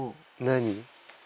何？